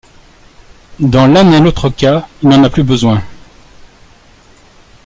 Dans l'un et l'autre cas, il n'en a plus besoin.